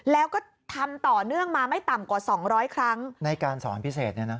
แล้วก็ทำต่อเนื่องมาไม่ต่ำกว่า๒๐๐ครั้งในการสอนพิเศษ